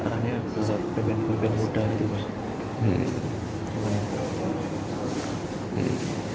arahnya bpn bpn muda gitu